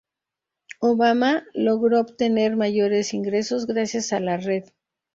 Obama logró obtener mayores ingresos gracias a la Red.